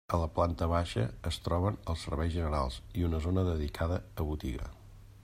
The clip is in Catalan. A la planta baixa es troben els serveis generals i una zona dedicada a botiga.